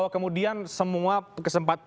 kemudian semua kesempatan